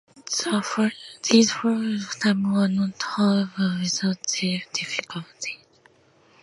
These fruitful times were not, however, without their difficulties.